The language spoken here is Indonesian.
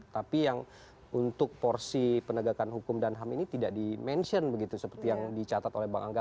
tapi yang untuk porsi penegakan hukum dan ham ini tidak di mention begitu seperti yang dicatat oleh bang angga